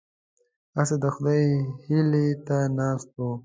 هسې د خدای هیلې ته ناست وو.